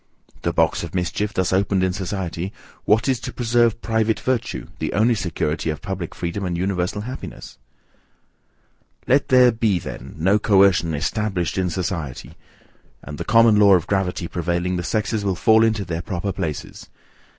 The box of mischief thus opened in society, what is to preserve private virtue, the only security of public freedom and universal happiness? Let there be then no coercion ESTABLISHED in society, and the common law of gravity prevailing, the sexes will fall into their proper places.